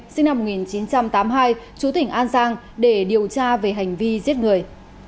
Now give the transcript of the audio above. sinh năm một nghìn chín trăm tám mươi hai chú tỉnh an giang để điều tra về hành vi giết người